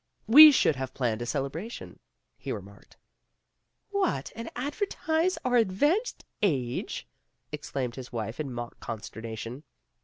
"We should have planned a celebration," he remarked. "What, and advertise our advanced age!" exclaimed his wife in mock consternation.